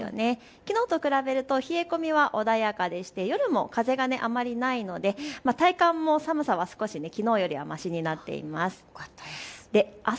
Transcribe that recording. きのうと比べると冷え込みは穏やかで夜も風があまりないので体感も寒さは少し、きのうよりはましになっています。